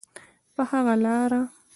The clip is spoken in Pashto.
په هغه لاره.